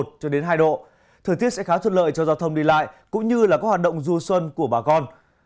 thời tiết sẽ khá thuận lợi cho giao thông đi lại cũng như là các hoạt động du xuân của bà con